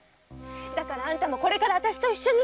だからあんたもこれからあたしと一緒に！